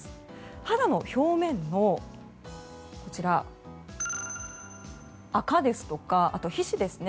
肌の表面の垢ですとか皮脂ですね